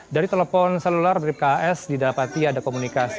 dari telepon seluler beribka as didapati ada komunikasi